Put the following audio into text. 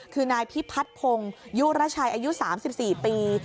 คือนายพิพัฒนพงศ์ยุรชัยอายุ๓๔ปี